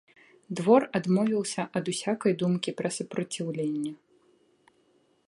Двор адмовіўся ад усякай думкі пра супраціўленне.